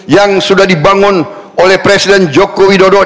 yang sudah dibangun oleh presiden joko widodo